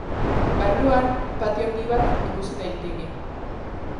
Barruan, patio handi bat ikus daiteke.